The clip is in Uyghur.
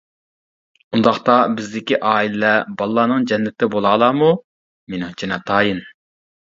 ئۇنداقتا بىزدىكى ئائىلىلەر بالىلارنىڭ جەننىتى بولالارمۇ؟ مېنىڭچە، ناتايىن.